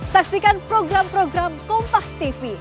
saksikan program program kompas tv